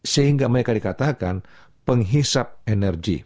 sehingga mereka dikatakan penghisap energi